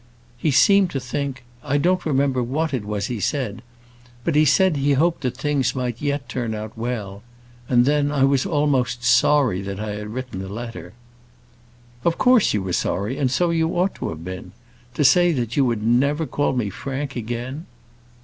"He seemed to think I don't remember what it was he said. But he said, he hoped that things might yet turn out well; and then I was almost sorry that I had written the letter." "Of course you were sorry, and so you ought to have been. To say that you would never call me Frank again!"